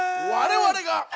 我々が。